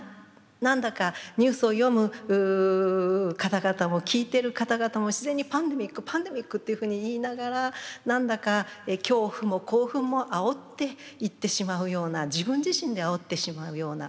何だかニュースを読む方々も聞いてる方々も自然にパンデミックパンデミックっていうふうに言いながら何だか恐怖も興奮もあおっていってしまうような自分自身であおってしまうような